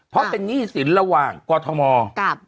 เพราะเป็นหนี้ศิลป์ระหว่างกวทมกับ